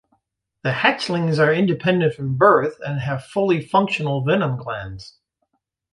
The hatchlings are independent from birth and have fully functional venom glands.